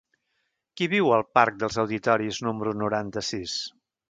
Qui viu al parc dels Auditoris número noranta-sis?